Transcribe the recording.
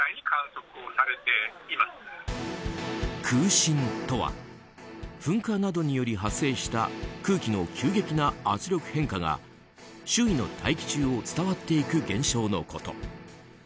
空振とは噴火などにより発生した空気の急激な圧力変化が周囲の大気中を伝わっていく現象のこと。